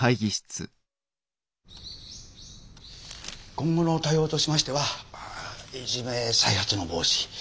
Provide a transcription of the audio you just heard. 今後の対応としましてはいじめ再発の防止。